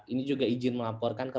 ini juga izin melaporkan ke